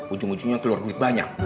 ujung ujungnya keluar duit banyak